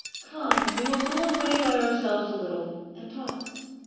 Come, we will go away by ourselves a little, and talk.